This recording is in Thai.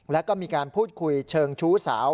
แล้วก็มีการพูดคุยเชิงชู้สาว